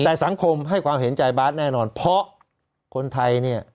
แต่สังคมให้ความเห็นใจบาทแน่นอนเพราะคนไทยเนี่ย